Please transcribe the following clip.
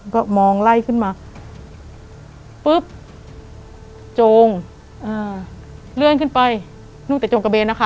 ก็มองไล่ขึ้นมาปุ๊บโจงอ่าเลื่อนขึ้นไปนุ่งแต่โจงกระเบนนะคะ